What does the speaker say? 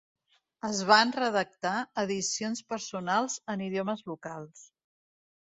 Es van redactar edicions personals en idiomes locals.